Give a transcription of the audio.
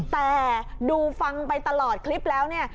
แต่ดูฟังไปตลอดคลิปแล้วเนี่ย